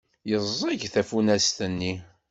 Yeẓẓeg tafunast-nni.